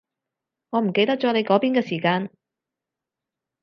我唔記得咗你嗰邊嘅時間